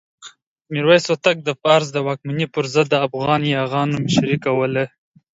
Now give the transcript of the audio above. میرویس هوتک د فارس د واکمنۍ پر ضد د افغان یاغیانو مشري کوله.